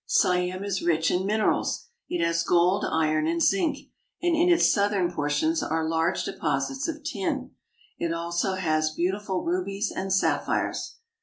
Siam is rich in minerals. It has gold, iron, and zinc ; and in its southern portions are large deposits of tin. It has also beautiful rubies and sapphires.